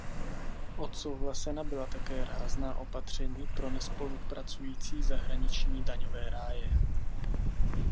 Odsouhlasena byla také rázná opatření pro nespolupracující zahraniční daňové ráje.